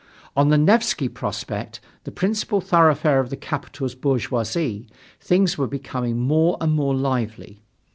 On the Nevsky Prospect, the principal thoroughfare of the capital's bourgeoisie, things were becoming more and more lively.